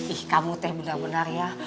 ih kamu teh benar benar ya